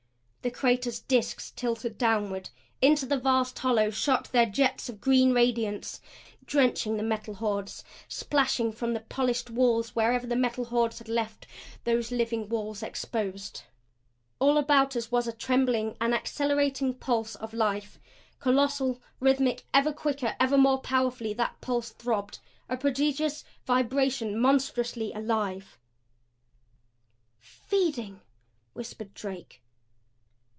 The crater's disks tilted downward. Into the vast hollow shot their jets of green radiance, drenching the Metal Hordes, splashing from the polished walls wherever the Metal Hordes had left those living walls exposed. All about us was a trembling, an accelerating pulse of life. Colossal, rhythmic, ever quicker, ever more powerfully that pulse throbbed a prodigious vibration monstrously alive. "Feeding!" whispered Drake.